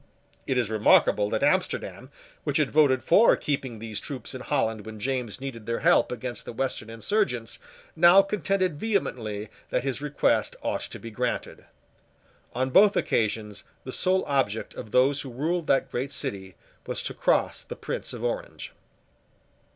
It is remarkable that Amsterdam, which had voted for keeping these troops in Holland when James needed their help against the Western insurgents, now contended vehemently that his request ought to be granted. On both occasions, the sole object of those who ruled that great city was to cross the Prince of Orange.